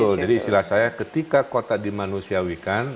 betul jadi istilah saya ketika kota dimanusiawikan